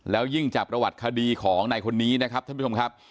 แล้วยิ่งจากประวัติคดีของในคนนี้นะครับท่านผู้ชมครับ